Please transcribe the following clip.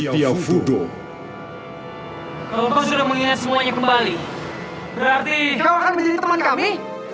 berarti kau akan menjadi teman kami